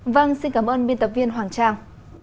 vâng xin cảm ơn biên tập viên hoàng trang